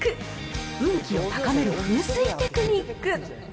運気を高める風水テクニック。